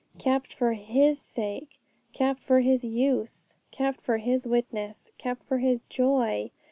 Kept for His sake; kept for His use; kept to be His witness; kept for His joy!